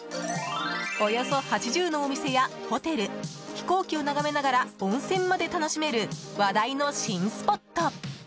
およそ８０のお店やホテル飛行機を眺めながら温泉まで楽しめる話題の新スポット。